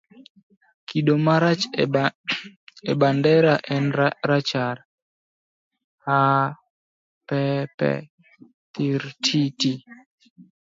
Kido marachar e bandera en rachar. ha . pe pe . thirrr tititi